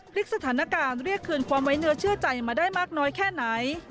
พลิกสถานการณ์เรียกคืนความไว้เนื้อเชื่อใจมาได้มากน้อยแค่ไหน